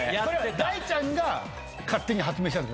大ちゃんが勝手に発明したの？